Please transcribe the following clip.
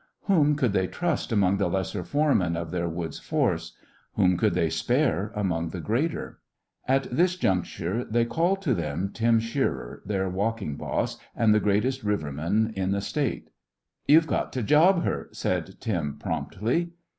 Whom could they trust among the lesser foremen of their woods force? Whom could they spare among the greater? At this juncture they called to them Tim Shearer, their walking boss and the greatest riverman in the State. "You'll have to 'job' her," said Tim, promptly.